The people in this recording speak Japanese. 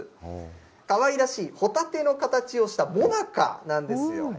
かわいらしいホタテの形をしたもなかなんですよ。